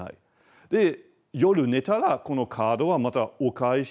で夜寝たらこのカードはまたお返しする。